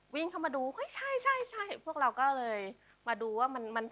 วิ่งเข้ามาดูพวกเราก็เลยมาดูว่ามันโหด